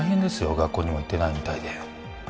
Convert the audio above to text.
学校にも行ってないみたいで